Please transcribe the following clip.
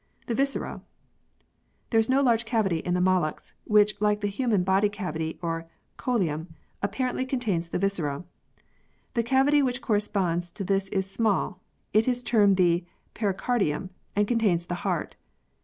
The Viscera. There is no large cavity in the molluscs which, like the human body cavity or coelom, apparently contains the viscera. The cavity which corresponds to this is small; it is termed the pericardium, and contains the heart.